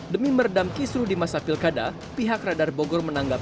demi meredam kisru di masa pilkada pihak radar bogor menanggapi